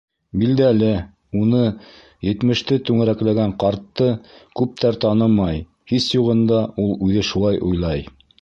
Билдәле, уны, етмеште түңәрәкләгән ҡартты, күптәр танымай, һис юғында, ул үҙе шулай уйлай.